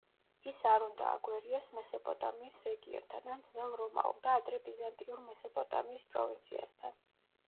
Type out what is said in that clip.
ის არ უნდა აგვერიოს მესოპოტამიის რეგიონთან ან ძველ რომაულ და ადრე ბიზანტიურ მესოპოტამიის პროვინციასთან.